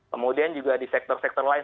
kemudian juga di sektor sektor lain